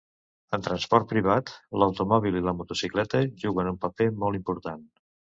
En transport privat, l'automòbil i la motocicleta juguen un paper molt important.